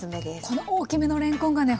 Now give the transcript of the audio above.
この大きめのれんこんがね